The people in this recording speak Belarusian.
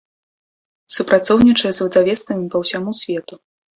Супрацоўнічае з выдавецтвамі па ўсяму свету.